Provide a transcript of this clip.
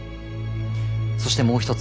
そしてもう一つ。